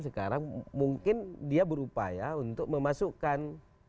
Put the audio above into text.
sekarang mungkin dia berupaya untuk memasukkan